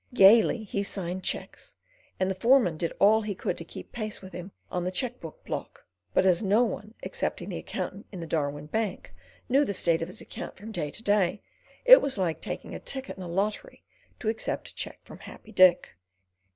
Gaily he signed cheques, and the foreman did all he could to keep pace with him on the cheque book block; but as no one, excepting the accountant in the Darwin bank, knew the state of his account from day to day, it was like taking a ticket in a lottery to accept a cheque from Happy Dick.